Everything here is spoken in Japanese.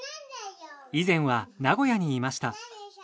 以前は名古屋にいました。